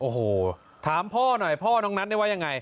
โอ้โหถามพ่อหน่อยพ่อน้องนัทได้ว่ายังไง